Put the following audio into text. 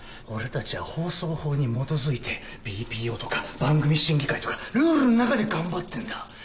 俺たちは放送法に基づいてＢＰＯとか番組審議会とかルールん中で頑張ってんだ。